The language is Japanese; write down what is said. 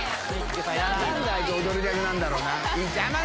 何であいつ踊りたくなるんだろうな？